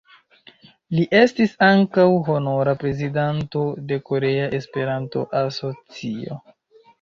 Li estis ankaŭ honora prezidanto de Korea Esperanto-Asocio.